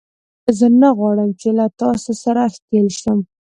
زه نه غواړم چې له تاسو سره ښکېل شم